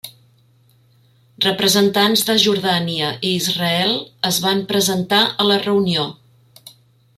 Representants de Jordània i Israel es van presentar a la reunió.